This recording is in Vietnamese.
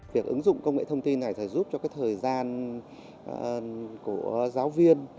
việc ứng dụng công nghệ thông tin này sẽ giúp cho thời gian của giáo viên